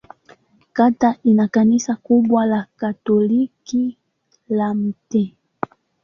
Kata ina kanisa kubwa la Katoliki la Mt.